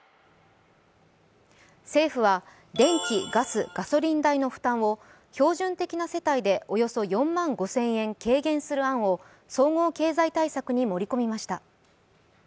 政府は、電気、ガス、ガソリン代の負担を、標準的な世帯でおよそ４万５０００円軽減する案を総合経済対策に盛り込みました。